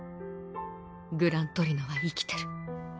グラントリノは生きてる。